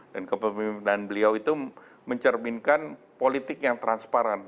dan kepemimpinan beliau itu mencerminkan politik yang transparan